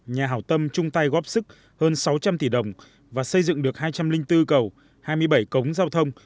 nhà hảo tâm chung tay góp sức hơn sáu trăm linh tỷ đồng và xây dựng được hai trăm linh bốn cầu hai mươi bảy cống giao thông